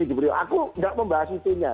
aku nggak membahas itunya